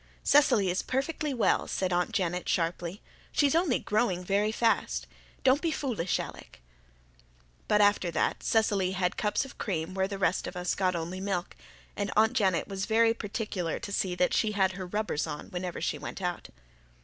"Cecily is perfectly well," said Aunt Janet sharply. "She's only growing very fast. Don't be foolish, Alec." But after that Cecily had cups of cream where the rest of us got only milk; and Aunt Janet was very particular to see that she had her rubbers on whenever she went out.